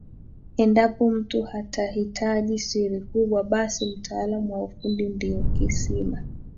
Endapo mtu atahitaji siri kubwa basi mtaalamu wa ufundi ndio kisima